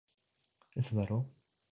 嘘だろ？